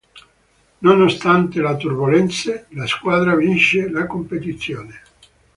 Nonostante le turbolenze, la squadra vince la competizione.